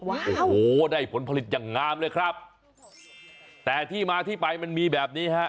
โอ้โหได้ผลผลิตอย่างงามเลยครับแต่ที่มาที่ไปมันมีแบบนี้ฮะ